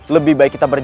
lebih baik kita tonton